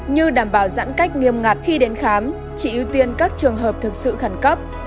như đảm bảo giãn cách nghiêm ngặt khi đến khám chỉ ưu tiên các trường hợp thực sự khẩn cấp